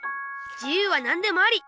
自由は何でもあり！